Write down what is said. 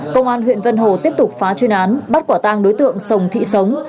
công an huyện vân hồ tiếp tục phá chuyên án bắt quả tang đối tượng sồng thị sống